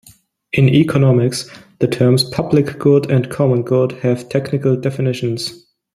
In economics, the terms "public good" and "common good" have technical definitions.